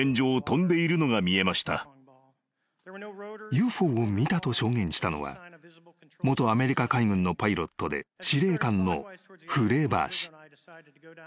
［ＵＦＯを見たと証言したのは元アメリカ海軍のパイロットで司令官のフレイバー氏］